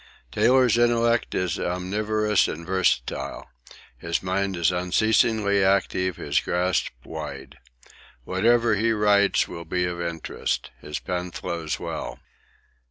Taylor's intellect is omnivorous and versatile his mind is unceasingly active, his grasp wide. Whatever he writes will be of interest his pen flows well.